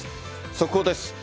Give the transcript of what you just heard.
速報です。